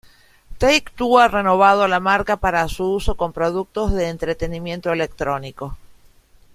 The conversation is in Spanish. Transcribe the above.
Take-Two ha renovado la marca para su uso con productos de entretenimiento electrónico.